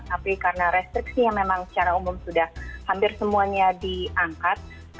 tapi karena restriksi yang memang secara umum sudah hampir semuanya diangkat